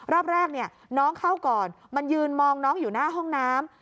รอบแรกน้องเข้าก่อนมันยืนมองน้องอยู่หน้าห้องน้ำ